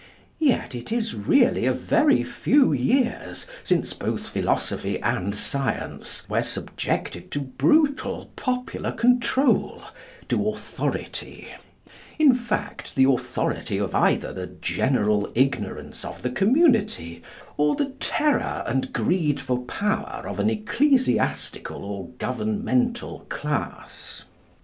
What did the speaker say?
Yet it is really a very few years since both philosophy and science were subjected to brutal popular control, to authority in fact—the authority of either the general ignorance of the community, or the terror and greed for power of an ecclesiastical or governmental class.